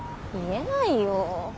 言えないよ。